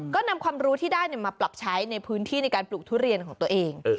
ก็นำความรู้ที่ได้มาปรับใช้ในพื้นที่ในการปลูกทุเรียนของตัวเอง